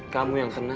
kamu yang tenang